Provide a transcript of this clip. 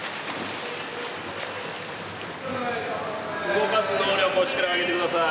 動かす能力をしっかり上げて下さい。